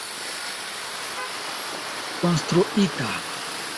konstruita